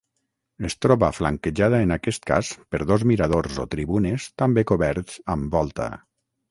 Es troba flanquejada en aquest cas per dos miradors o tribunes també coberts amb volta.